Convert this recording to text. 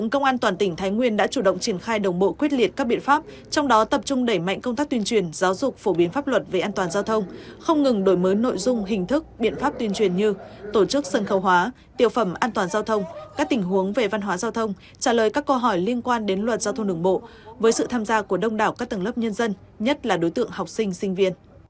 chúng tôi đã chủ động triển khai đồng bộ quyết liệt các biện pháp trong đó tập trung đẩy mạnh công tác tuyên truyền giáo dục phổ biến pháp luật về an toàn giao thông không ngừng đổi mới nội dung hình thức biện pháp tuyên truyền như tổ chức sân khấu hóa tiểu phẩm an toàn giao thông các tình huống về văn hóa giao thông trả lời các câu hỏi liên quan đến luật giao thông đường bộ với sự tham gia của đông đảo các tầng lớp nhân dân nhất là đối tượng học sinh sinh viên